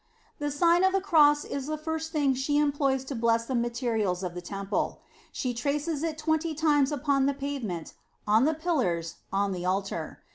* The Sign of the Cross is the first thing she employs to bless the materials of the temple. She traces it twenty times upon the pave ment, on the pillars, on the altar.